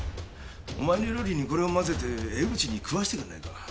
お前の料理にこれを混ぜて江口に食わせてくれないか？